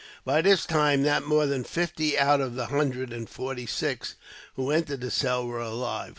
By this time, not more than fifty out of the hundred and forty six who entered the cell were alive.